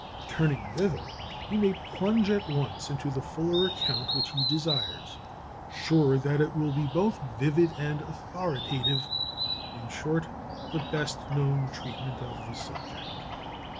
Turning thither he may plunge at once into the fuller account which he desires, sure that it will be both vivid and authoritative; in short, the best known treatment of the subject.